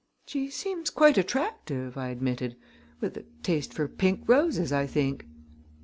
"She seems quite attractive," I admitted, "with a taste for pink roses, I think."